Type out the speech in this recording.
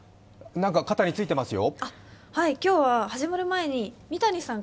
何か肩についてますよ？